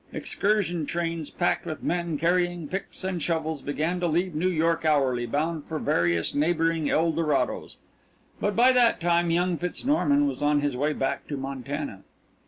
Excursion trains, packed with men carrying picks and shovels, began to leave New York hourly, bound for various neighbouring El Dorados. But by that time young Fitz Norman was on his way back to Montana.